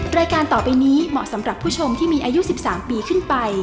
รายการต่อไปนี้เหมาะสำหรับผู้ชมที่มีอายุ๑๓ปีขึ้นไป